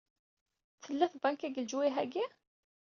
Tella tbanka deg leǧwahi-agi?